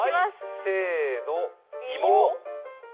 せーの、芋。